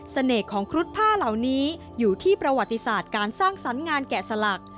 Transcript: ของครุฑผ้าเหล่านี้อยู่ที่ประวัติศาสตร์การสร้างสรรค์งานแกะสลัก